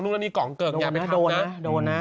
ทุกนั่นมีกล่องเกิกอยากไปทำนะ